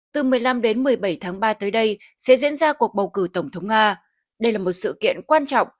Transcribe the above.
từ một mươi năm đến một mươi bảy tháng ba tới đây sẽ diễn ra cuộc bầu cử tổng thống nga đây là một sự kiện quan trọng